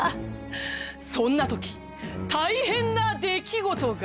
そんな時大変な出来事が。